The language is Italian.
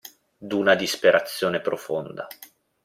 D'una disperazione profonda.